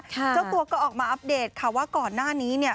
เจ้าตัวก็ออกมาอัปเดตค่ะว่าก่อนหน้านี้เนี่ย